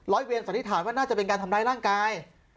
ร้อยเวียนสัตว์ที่ถามว่าน่าจะเป็นการทำร้ายร่างกาย